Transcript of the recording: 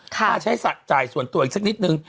มาใช้จ่ายส่วนตัวอีกสักนิดนึง